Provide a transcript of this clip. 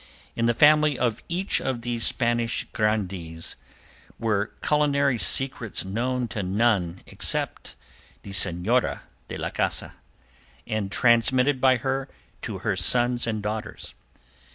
In the family of each of these Spanish Grandees were culinary secrets known to none except the "Senora de la Casa," and transmitted by her to her sons and daughters.